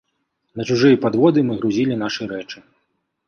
На чужыя падводы мы грузілі нашы рэчы.